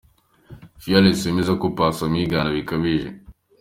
Fearless wemeza ko Paccy amwigana bikabije.